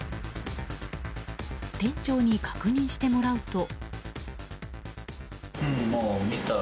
店長に確認してもらうと。